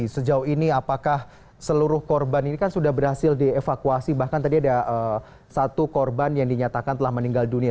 sejauh ini apakah seluruh korban ini kan sudah berhasil dievakuasi bahkan tadi ada satu korban yang dinyatakan telah meninggal dunia